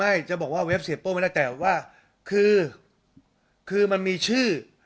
จะบอกว่าเว็บเสียโป้ไม่ได้แต่ว่าคือคือมันมีชื่อ